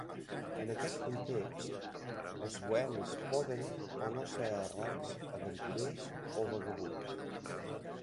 En aquest context, els bohemis poden o no ser errants, aventurers o vagabunds.